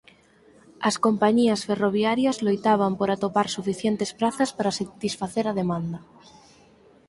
As compañías ferroviarias loitaban por atopar suficientes prazas para satisfacer a demanda.